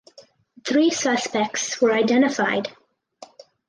Three suspects were identified.